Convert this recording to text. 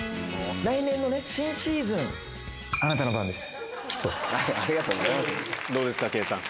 来年のね、新シーズン、あなたの番です。